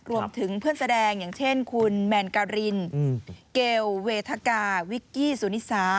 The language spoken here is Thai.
รวมถึงเพื่อนแสดงอย่างเช่นคุณแมนการินเกลเวทะกาวิกกี้สุนิสา